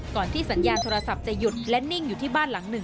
ที่สัญญาณโทรศัพท์จะหยุดและนิ่งอยู่ที่บ้านหลังหนึ่ง